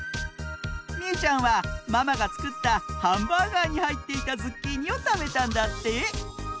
みうちゃんはママがつくったハンバーガーにはいっていたズッキーニをたべたんだって！